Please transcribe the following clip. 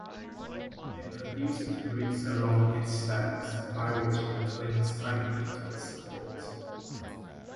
It produces roots along its stems by which it clings tightly to its support.